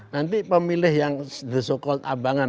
nanti pemilih yang the so call abangan